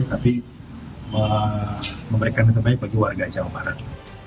tapi memberikan yang terbaik bagi warga jawa barat